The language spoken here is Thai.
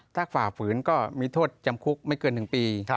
ถ้าฝ่าฝืนก็มีโทษจำคุกไม่เกิน๑ปี